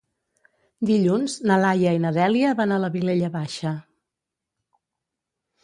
Dilluns na Laia i na Dèlia van a la Vilella Baixa.